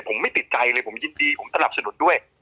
ผมไม่ติดใจเลยผมยินดีผมสนับสนุนด้วย